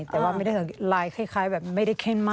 แต่ว่าลายคล้ายแบบไม่ได้เข้มมาก